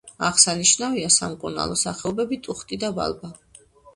აღსანიშნავია სამკურნალო სახეობები ტუხტი და ბალბა.